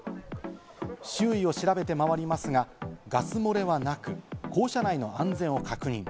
周囲を調べて回りますが、ガス漏れはなく、校舎内の安全を確認。